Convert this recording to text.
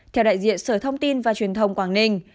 theo đại diện sở thông tin và truyền thông quảng ninh